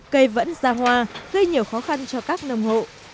cây vẫn ra hoa gây nhiều khó khăn cho các nông hộ